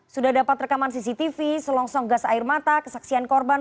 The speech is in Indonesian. sudah dapat rekaman cctv selongsong gas air mata kesaksian korban